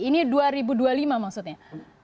ini dua ribu dua puluh lima maksudnya